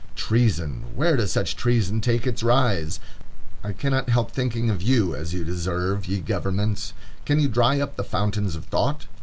Treason! Where does such treason take its rise? I cannot help thinking of you as you deserve, ye governments. Can you dry up the fountains of thought?